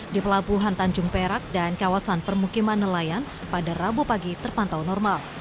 di pelabuhan tanjung perak dan kawasan permukiman nelayan pada rabu pagi terpantau normal